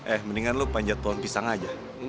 eh mendingan lu panjat pohon pisang aja